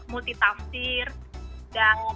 multi tafsir dan